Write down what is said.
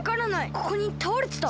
ここにたおれてた。